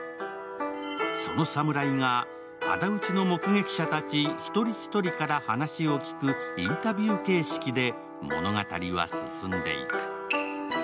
その侍があだ討ちの目撃者たち一人一人から話を聞くインタビュー形式で物語は進んでいく。